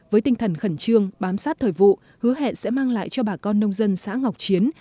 với tinh thần khẩn trương bám sát thời vụ hứa hẹn sẽ mang lại cho bà con nông dân xã ngọc chiến